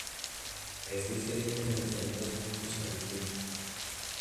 Es diferente en diferentes puntos en el tiempo.